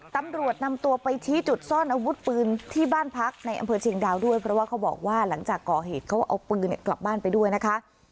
ตำรวจนำตัวไปชี้จุดซ่อนอาวุธปืนที่บ้านพักในอำเภอเชียงดาวด้วยเพราะว่าเขาบอกว่าหลังจากก่อเหตุเขาเอาปืนกลับบ้านไปด้วยนะคะ